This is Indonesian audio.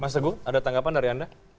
mas teguh ada tanggapan dari anda